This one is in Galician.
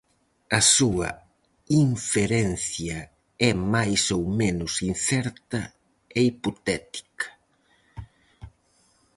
A súa inferencia é máis ou menos incerta e hipotética.